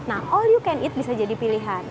nah all you can eat bisa jadi pilihan